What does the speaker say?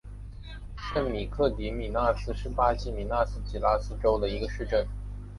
圣罗克迪米纳斯是巴西米纳斯吉拉斯州的一个市镇。